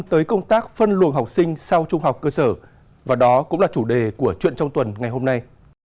tới công tác phân luồng học sinh sau trung học cơ sở và đó cũng là chủ đề của chuyện trong tuần ngày hôm nay